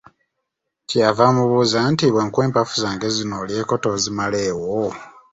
Kyeyava amubuuza nti, "Bwenkuwa empafu zange zino olyeko tozimalewo?"